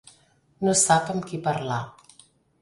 No sap amb qui parlar.